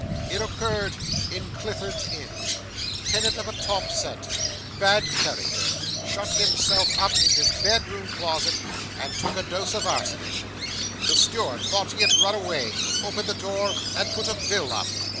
'It occurred in Clifford's Inn. Tenant of a top set bad character shut himself up in his bedroom closet, and took a dose of arsenic. The steward thought he had run away: opened the door, and put a bill up.